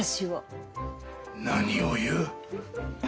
何を言う！